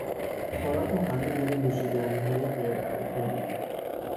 خوراک و همه گونه نوشیدنیهای غیر الکلی